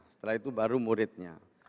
setelah itu baru muridnya